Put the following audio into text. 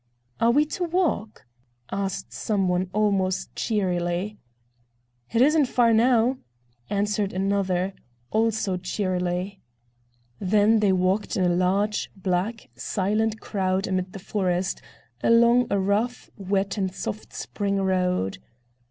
"Are we to walk?" asked some one almost cheerily. "It isn't far now," answered another, also cheerily. Then they walked in a large, black, silent crowd amid the forest, along a rough, wet and soft spring road.